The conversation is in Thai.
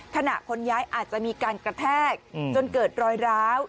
ขณะคนย้ายอาจจะมีการกระแทกจนเกิดรอยร้าว